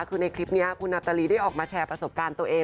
คือในคลิปนี้คุณนาตาลีได้ออกมาแชร์ประสบการณ์ตัวเอง